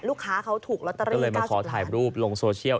ลูกค้าเขาถูกลอตเตอรีก้าวสิบพันธุ์ก็เลยมาขอถ่ายรูปลงโซเชียล